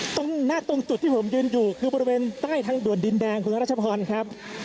ตรงหน้าตรงจุดที่ผมยืนอยู่คือบริเวณใต้ทางด่วนดินแดงคุณรัชพรครับ